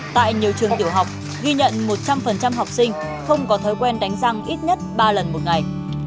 tại nhiều trường tiểu học ghi nhận một trăm linh học sinh không có thói quen đánh răng ít nhất ba lần một ngày